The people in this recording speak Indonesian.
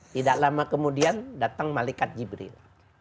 tidak lama kemudian datang malikat jibril